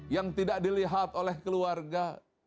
yang tidak dilihat oleh keluarga